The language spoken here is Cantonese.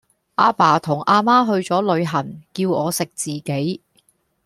阿爸同阿媽去左旅行，叫我食自己